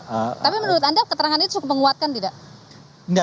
tapi menurut anda keterangannya cukup menguatkan tidak